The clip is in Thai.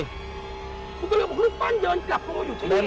คุณก็เลยบอกรูปปั้นเดินกลับลงมาอยู่ที่นี่เอง